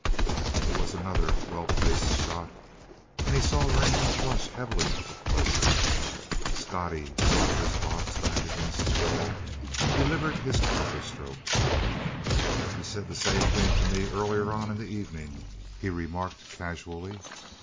It was another well placed shot, and he saw Rankin flush heavily with pleasure. Scottie tilted his box back against the wall and delivered his counterstroke: "He said the same thing to me earlier on in the evening," he remarked casually.